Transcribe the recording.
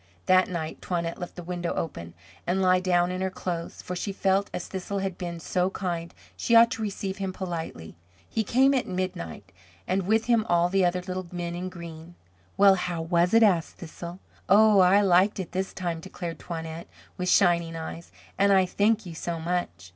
That night Toinette left the window open, and lay down in her clothes; for she felt, as Thistle had been so kind, she ought to receive him politely. He came at midnight, and with him all the other little men in green. "Well, how was it?" asked Thistle. "Oh, I liked it this time," declared Toinette, with shining eyes, "and I thank you so much."